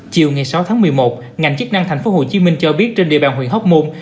chiều ngày sáu tháng một mươi một ngành chức năng tp hcm cho biết trên địa bàn huyện hóc môn